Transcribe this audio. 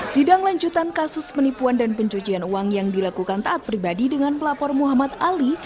sidang lanjutan kasus penipuan dan pencucian uang yang dilakukan taat pribadi dengan pelapor muhammad ali